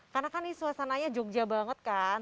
karena kan ini suasananya jogja banget kan